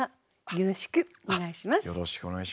よろしくお願いします。